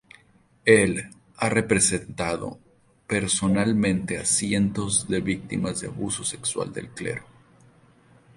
Él ha representado personalmente a cientos de víctimas de abuso sexual del clero.